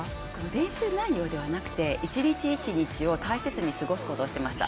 練習内容ではなくて、一日一日を大切に過ごすことをしていました。